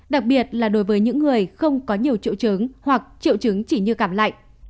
đặc biệt là đối với những người không có nhiều triệu chứng hoặc triệu chứng chỉ như cảm lạnh